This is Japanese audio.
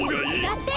だって！